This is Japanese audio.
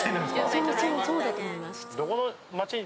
そうそうそうだと思います。